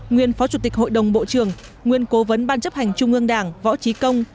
nguyên phó chủ tịch hội đồng bộ trưởng nguyên cố vấn ban chấp hành trung ương đảng võ trí công